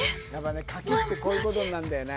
書きってこういうことになるんだよね